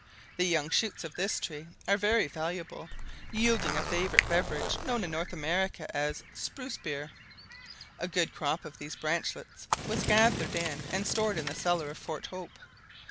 The young shoots of this tree are very valuable, yielding a favourite beverage known in North America as " spruce beer." A good crop of these branchlets was gathered in and stored in the cellar of Fort Hope.